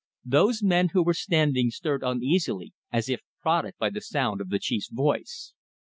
Those men who were standing stirred uneasily as if prodded by the sound of the chief's voice.